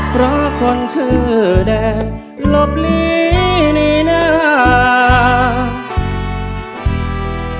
เพราะคนชื่อแดดลบหลีนี้นาน